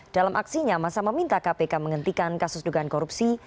dalam aksinya masa meminta kpk menghentikan kasus dugaan korupsi